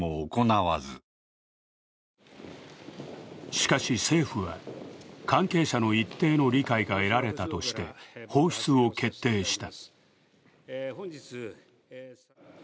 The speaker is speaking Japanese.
しかし政府は、関係者の一定の理解が得られたとして放出を決定した。